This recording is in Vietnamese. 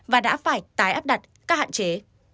và đã phải tái áp đặt các hạn chế